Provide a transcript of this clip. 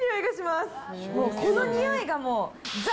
この匂いがもう。